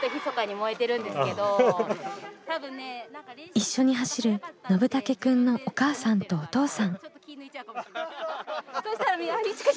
一緒に走るのぶたけくんのお母さんとお父さん。